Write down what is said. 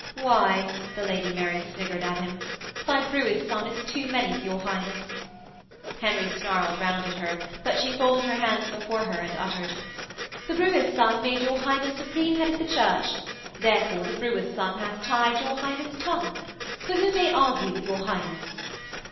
'Why,' the Lady Mary sniggered at him, 'thy brewer's son is too many for your Highness.' Henry snarled round at her; but she folded her hands before her and uttered: 'The brewer's son made your Highness Supreme Head of the Church. Therefore, the brewer's son hath tied your Highness' tongue. For who may argue with your Highness?'